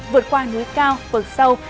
vượt qua núi cao vượt sâu